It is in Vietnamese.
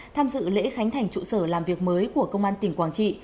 tham dự lễ khánh thành trụ sở làm việc mới của công an tỉnh quảng trị